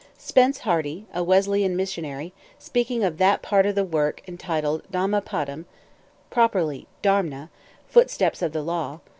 Spence Hardy, a Wesleyan missionary, speaking of that part of the work entitled "Dhammâ Padam," [Footnote: Properly Dharmna, "Footsteps of the Law."